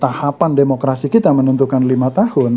tahapan demokrasi kita menentukan lima tahun